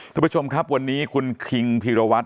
ทุกผู้ชมครับวันนี้คุณคิงพีรวัตร